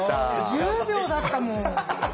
１０秒だったもん。